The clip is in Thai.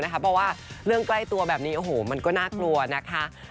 เพราะว่าเรื่องใกล้ตัวแบบนี้โอ้โหมันก็น่ากลัวนะคะ